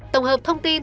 tổng hợp thông tin